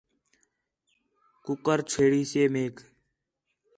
کُکر چُھڑیسے میک